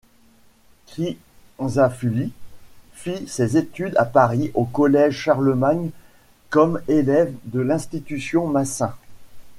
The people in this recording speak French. Crisafulli fit ses études à Paris au collège Charlemagne, comme élève de l’institution Massin.